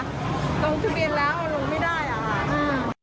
ลงทะเบียนแล้วลงไม่ได้อะ